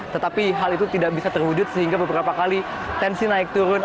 tetapi hal itu tidak bisa terwujud sehingga beberapa kali tensi naik turun